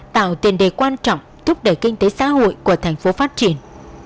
tạo tiền đề quan trọng thúc đẩy kinh tế xã hội của thành phố phát triển